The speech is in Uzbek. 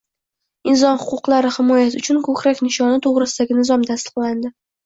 “Inson huquqlari himoyasi uchun” ko‘krak nishoni to‘g‘risidagi nizom tasdiqlandi